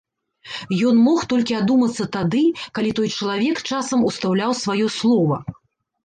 Ён мог толькі адумацца тады, калі той чалавек часам устаўляў сваё слова.